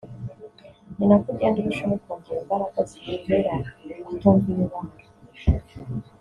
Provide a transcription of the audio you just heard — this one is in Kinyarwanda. ni nako ugenda urushaho kongera imbaraga zigutera kutumva imibabaro